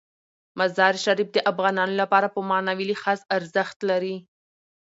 مزارشریف د افغانانو لپاره په معنوي لحاظ ارزښت لري.